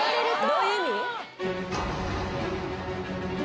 どういう意味？